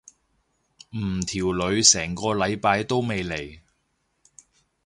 唔條女成個禮拜都未嚟。